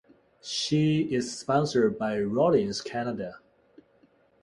She is sponsored by Rawlings Canada.